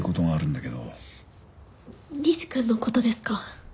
仁志くんの事ですか？